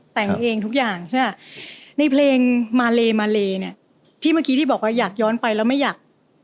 แต่งเองทุกอย่างใช่ป่ะในเพลงมาเลมาเลเนี่ยที่เมื่อกี้ที่บอกว่าอยากย้อนไปแล้วไม่อยาก